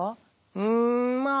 うんまあ